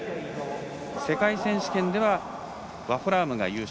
世界選手権ではワホラームが優勝。